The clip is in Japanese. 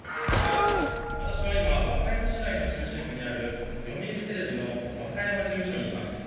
私は今、和歌山市内の中心部にある読売テレビの和歌山事務所にいます。